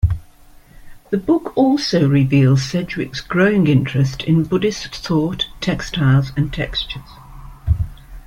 The book also reveals Sedgwick's growing interest in Buddhist thought, textiles, and texture.